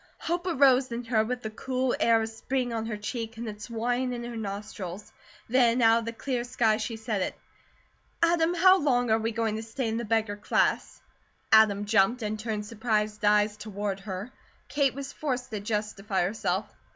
Hope arose in her with the cool air of spring on her cheek and its wine in her nostrils. Then out of the clear sky she said it: "Adam, how long are we going to stay in the beggar class?" Adam jumped, and turned surprised eyes toward her. Kate was forced to justify herself.